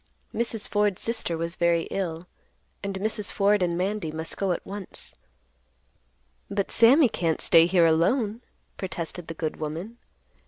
Mrs. Ford's sister was very ill, and Mrs. Ford and Mandy must go at once. "But Sammy can't stay here alone," protested the good woman.